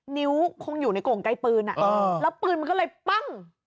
นิ้วคงอยู่ในโก่งไกลปืนแล้วปืนมันก็เลยปั้ง